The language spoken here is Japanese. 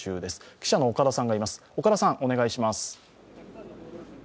記者の岡田さん、お願いします。